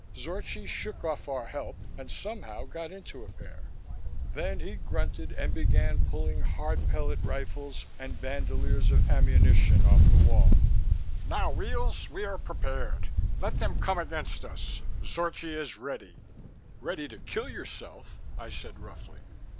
Zorchi shook off our help and somehow got into a pair. Then he grunted and began pulling hard pellet rifles and bandoliers of ammunition off the wall. "Now, Weels, we are prepared. Let them come against us. Zorchi is ready!" "Ready to kill yourself!" I said roughly.